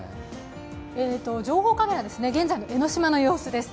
情報カメラ、現在の江の島の様子です。